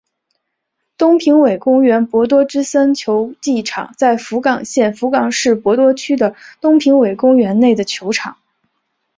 东平尾公园博多之森球技场在福冈县福冈市博多区的东平尾公园内的球场。